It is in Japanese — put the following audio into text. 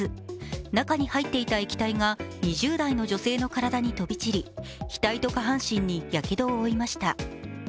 中に入っていた液体が２０代の女性の体に飛び散り額と下半身にやけどを負いました。